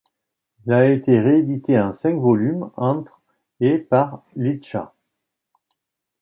Il a été réédité en cinq volumes entre et par Leedsha.